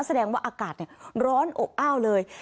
แสดงว่าอากาศร้อนอบอ้าวเลย